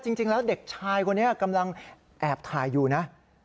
จริงแล้วเด็กชายคนนี้กำลังแอบถ่ายอยู่นะ